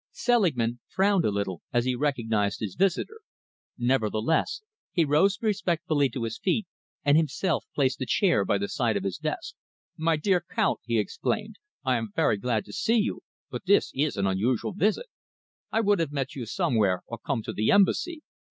Selingman frowned a little as he recognised his visitor. Nevertheless, he rose respectfully to his feet and himself placed a chair by the side of his desk. "My dear Count!" he exclaimed. "I am very glad to see you, but this is an unusual visit. I would have met you somewhere, or come to the Embassy.